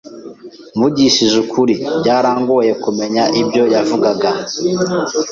Mvugishije ukuri, byarangoye kumenya ibyo yavugaga.